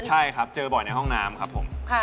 ใช่ครับเจอบ่อยในห้องน้ำครับผม